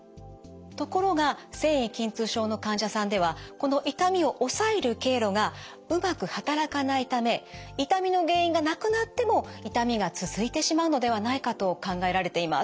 ところが線維筋痛症の患者さんではこの痛みを抑える経路がうまく働かないため痛みの原因がなくなっても痛みが続いてしまうのではないかと考えられています。